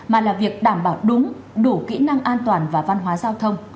mà là việc đảm bảo đúng đủ kỹ năng an toàn và văn hóa giao thông